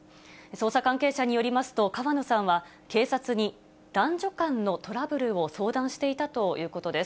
捜査関係者によりますと、川野さんは警察に男女間のトラブルを相談していたということです。